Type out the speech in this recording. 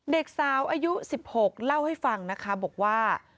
เด็กสาวอายุ๑๖เล่าให้ฟังนะคะบอกว่า